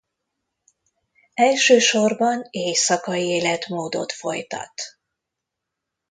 Elsősorban éjszakai életmódot folytat.